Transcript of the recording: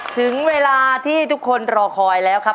ถึงเวลาที่ทุกคนรอคอยแล้วครับ